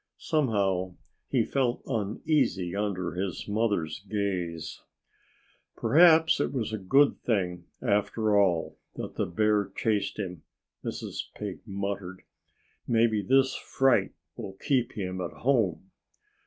Somehow he felt uneasy under his mother's gaze. "Perhaps it was a good thing, after all, that the bear chased him," Mrs. Pig muttered. "Maybe this fright will keep him at home."